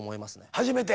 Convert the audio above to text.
初めて？